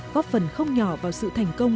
góp phần không nhỏ vào sự thành công